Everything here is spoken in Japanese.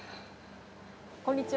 こんにちは。